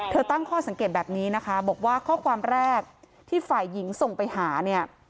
ตั้งข้อสังเกตแบบนี้นะคะบอกว่าข้อความแรกที่ฝ่ายหญิงส่งไปหาเนี่ย